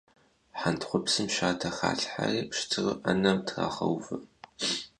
Хьэнтхъупсым шатэ халъхьэри пщтыру Ӏэнэм трагъэувэ.